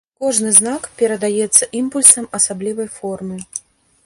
Кожны знак перадаецца імпульсам асаблівай формы.